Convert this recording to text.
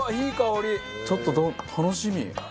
ちょっとどう楽しみ。